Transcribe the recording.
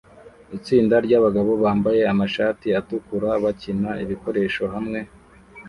Itsinda ryabagabo bambaye amashati atukura bakina ibikoresho hamwe